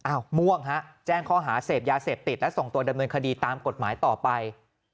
ม่วงฮะแจ้งข้อหาเสพยาเสพติดและส่งตัวดำเนินคดีตามกฎหมายต่อไป